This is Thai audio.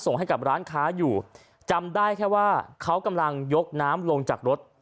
ส่งให้กับร้านค้าอยู่จำได้แค่ว่าเขากำลังยกน้ำลงจากรถ